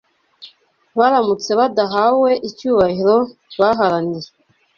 baramutse badahawe icyubahiro baharaniye